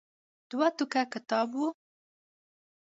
دوه ټوکه کتاب و.